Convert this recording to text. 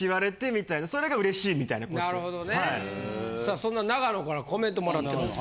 そんな永野からコメントもらってます。